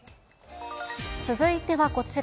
続いてはこちら。